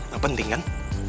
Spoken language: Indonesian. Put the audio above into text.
gak penting kan